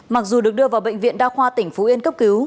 mặc dù được đưa vào bệnh viện đa khoa tỉnh phú yên cấp cứu